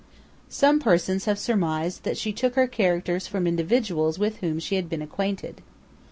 Some persons have surmised that she took her characters from individuals with whom she had been acquainted.